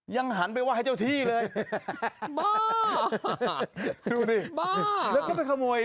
ยังหันไปว่าให้เจ้าที่เลยบ้าดูนี่บ้าแล้วก็ไปขโมย